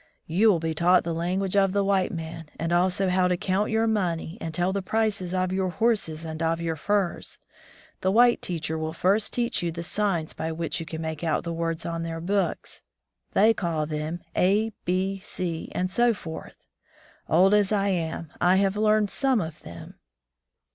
"You will be taught the language of the white man, and also how to count your money and tell the prices of yoiu" horses and of your furs. The white teacher will first teach you the signs by which you can make out the words on their books. They call them A, B, C, and so forth. Old as I am, I have learned some of them."